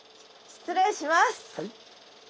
失礼します。